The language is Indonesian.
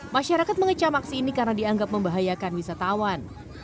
masyarakat mengecam aksi ini karena dianggap membahayakan wisatawan